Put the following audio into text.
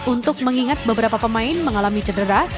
untuk mengingat beberapa pemain mengalami cedera